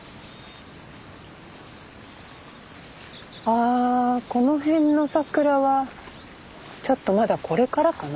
ああこの辺の桜はちょっとまだこれからかな？